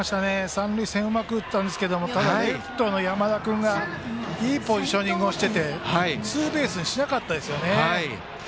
三塁線にうまく打ったんですがただ、レフトの山田君がいいポジショニングをしていてツーベースにしなかったですよね。